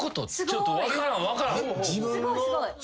ちょっと分からん分からん。